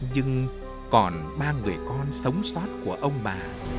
nhưng còn ba người con sống xót của ông bà